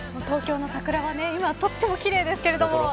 東京の桜は今とっても奇麗ですけれど